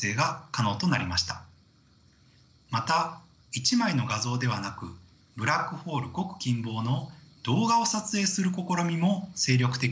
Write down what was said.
また１枚の画像ではなくブラックホールごく近傍の動画を撮影する試みも精力的に進められています。